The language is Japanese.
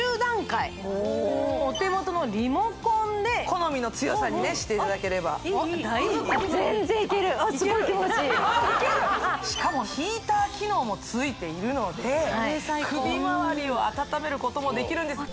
お手元のリモコンで好みの強さにしていただければすごい気持ちいいしかもヒーター機能もついているので首まわりを温めることもできるんです